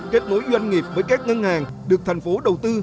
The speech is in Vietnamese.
kết nối doanh nghiệp với các ngân hàng được tp hcm đầu tư